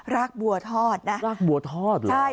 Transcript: รากบัวทอดนะรากบัวทอดเหรอใช่